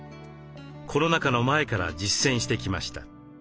コロナ禍の前から実践してきました。